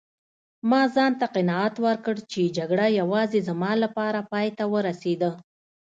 ما ځانته قناعت ورکړ چي جګړه یوازې زما لپاره پایته ورسیده.